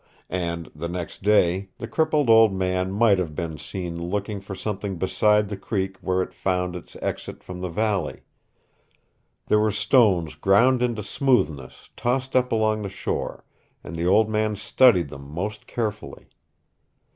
And, the next day, the crippled old man might have been seen looking for something beside the creek where it found its exit from the valley. There were stones ground into smoothness tossed up along the shore and the old man studied them most carefully.